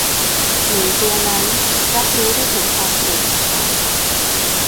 หนูตัวนั้นรับรู้ได้ถึงความโกรธของฉัน